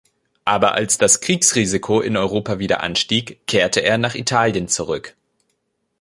Aber als das Kriegsrisiko in Europa wieder anstieg, kehrte er nach Italien zurück.